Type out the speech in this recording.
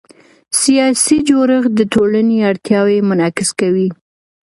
سیاسي جوړښت د ټولنې اړتیاوې منعکسوي